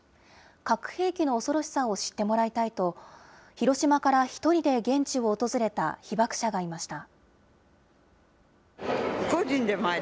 核兵器の恐ろしさを知ってもらいたいと、広島から１人で現地を訪れた被爆者がいました。